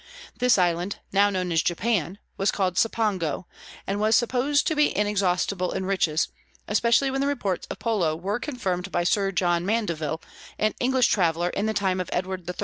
This island, known now as Japan, was called Cipango, and was supposed to be inexhaustible in riches, especially when the reports of Polo were confirmed by Sir John Mandeville, an English traveller in the time of Edward III.